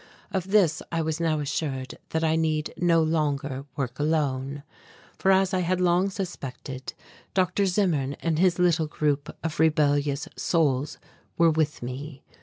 Of this I was now assured that I need no longer work alone, for as I had long suspected, Dr. Zimmern and his little group of rebellious souls were with me.